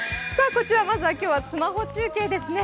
こちらまずはスマホ中継ですね。